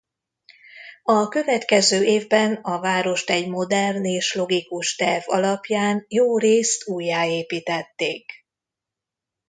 A következő évben a várost egy modern és logikus terv alapján jórészt újjáépítették.